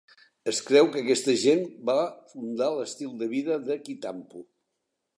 Es creu que aquesta gent va funda l'estil de vida de Kintampo.